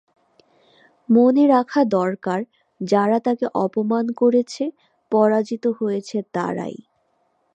মনে রাখা দরকার, যারা তাঁকে অপমান করেছে, পরাজিত হয়েছে তারাই।